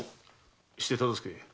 して忠相。